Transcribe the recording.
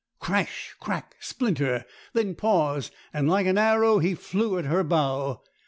Crash, crack, splinter; then pause—and like an arrow he flew at her bow.